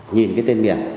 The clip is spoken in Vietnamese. nhìn cái tên miệng